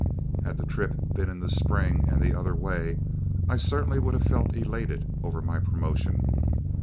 Had the trip been in the spring and the other way, I certainly would have felt elated over my promotion.